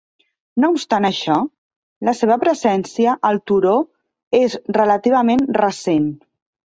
No obstant això, la seva presència al turó és relativament recent.